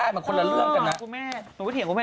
หูเป็นเอกนู้งอีก๒อีกแล้ว